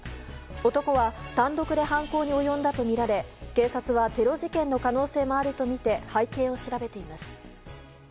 男は単独で犯行に及んだとみられ警察はテロ事件の可能性もあるとみて背景を調べています。